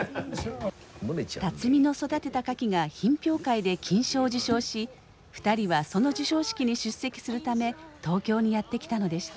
龍己の育てたカキが品評会で金賞を受賞し２人はその授賞式に出席するため東京にやって来たのでした。